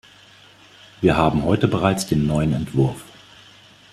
Wir haben heute bereits den neuen Entwurf.